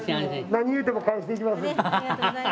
何言うても返していきます。